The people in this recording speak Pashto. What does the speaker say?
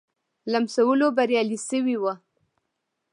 لمسولو بریالی شوی وو.